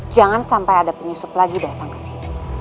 jangan sampai ada penyusup lagi datang ke sini